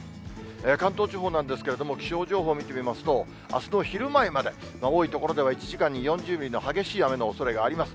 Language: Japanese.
関東地方なんですけれども、気象情報見てみますと、あすの昼前まで、多い所では１時間に４０ミリの激しい雨のおそれがあります。